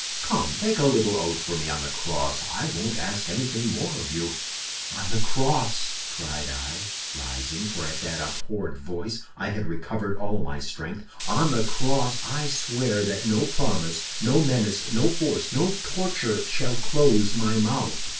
Come, take a little oath for me on the cross; I won't ask anything more of you.' "'On the cross,' cried I, rising, for at that abhorred voice I had recovered all my strength, 'on the cross I swear that no promise, no menace, no force, no torture, shall close my mouth!